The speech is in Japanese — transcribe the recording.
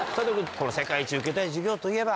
この『世界一受けたい授業』といえば？